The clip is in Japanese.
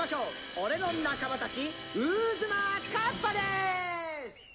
俺の仲間たち、ウーズマ・カッパでーす。